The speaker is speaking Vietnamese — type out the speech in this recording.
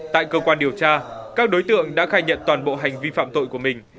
tại cơ quan điều tra các đối tượng đã khai nhận toàn bộ hành vi phạm tội của mình